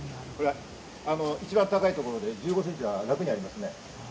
一番高いところで１５センチは楽にありますね。